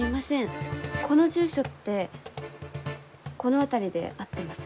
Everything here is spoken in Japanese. この住所ってこの辺りで合ってます？